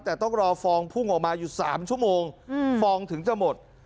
แต่ต้องรอฟองพุ่งออกมาอยู่๓ชั่วโมงฟองถึงจะหมด